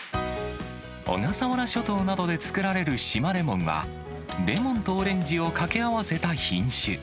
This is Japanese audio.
小笠原諸島などで作られる島レモンは、レモンとオレンジをかけ合わせた品種。